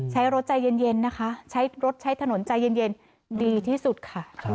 ใช้รถใจเย็นนะคะใช้รถใช้ถนนใจเย็นดีที่สุดค่ะ